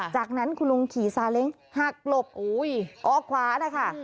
จากนั้นคุณลุงขี่ซาเล้งหักหลบออกขวานะคะ